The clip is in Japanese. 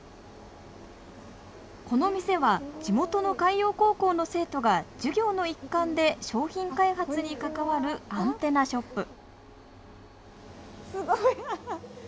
この店は地元の海洋高校の生徒が授業の一環で商品開発に関わるアンテナショップすごいハハッ。